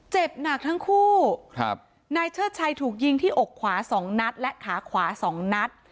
เจ็บหนักทั้งคู่ครับนายเชิดชัยถูกยิงที่อกขวาสองนัดและขาขวาสองนัด